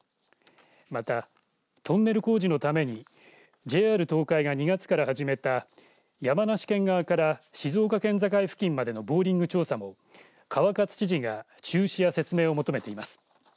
また、トンネル工事のためにＪＲ東海が２月から始めた山梨県側から静岡県境付近までのボーリング調査も川勝知事が中止や説明を求めています。